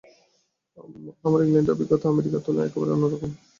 আমার ইংলণ্ডের অভিজ্ঞতা আমেরিকার তুলনায় একেবারে অন্য রকমের।